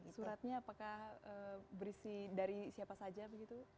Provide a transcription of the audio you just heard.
suratnya apakah berisi dari siapa saja begitu